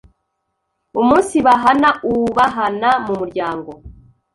Umunsibahana u b a h a n a Mu muryango,